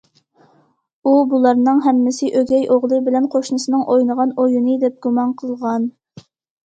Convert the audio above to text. ئۇ بۇلارنىڭ ھەممىسى ئۆگەي ئوغلى بىلەن قوشنىسىنىڭ ئوينىغان ئويۇنى دەپ گۇمان قىلغان.